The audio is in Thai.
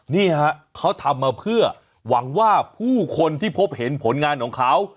นี่ฮะเขาทำมาเพื่อหวังว่าผู้คนที่พบเห็นผลงานของเขา